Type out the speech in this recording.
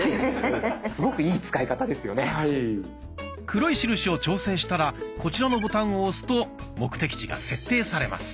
黒い印を調整したらこちらのボタンを押すと目的地が設定されます。